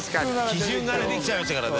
基準がねできちゃいましたからね。